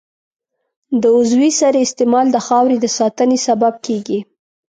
د عضوي سرې استعمال د خاورې د ساتنې سبب کېږي.